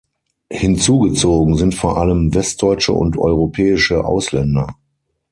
Hinzugezogen sind vor allem Westdeutsche und europäische Ausländer.